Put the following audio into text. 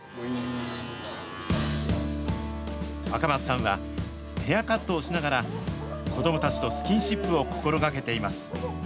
赤松さんはヘアカットをしながら、子どもたちとスキンシップを心がけています。